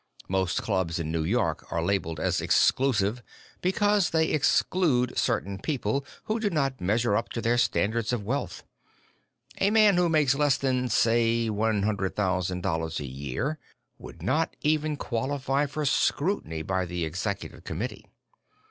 Most clubs in New York are labeled as "exclusive" because they exclude certain people who do not measure up to their standards of wealth. A man who makes less than, say, one hundred thousand dollars a year would not even qualify for scrutiny by the Executive Committee.